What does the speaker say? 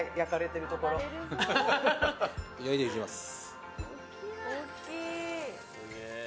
焼いていきます。